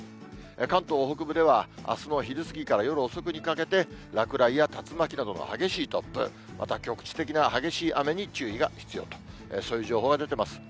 関東北部では、あすの昼過ぎから夜遅くにかけて、落雷や竜巻などの激しい突風、また局地的な激しい雨に注意が必要と、そういう情報が出てます。